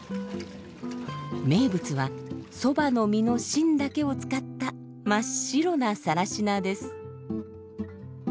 名物はそばの実の芯だけを使った真っ白な更科です。